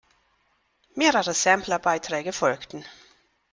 Mehrere Sampler-Beiträge folgten.